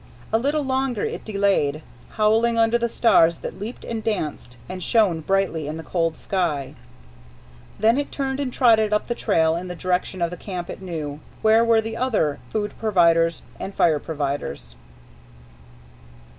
A little longer it delayed, howling under the stars that leaped and danced and shone brightly in the cold sky. Then it turned and trotted up the trail in the direction of the camp it knew, where were the other food providers and fire providers.